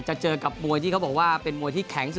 เจอกับมวยที่เขาบอกว่าเป็นมวยที่แข็งสุด